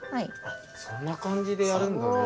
あっそんな感じでやるんだね。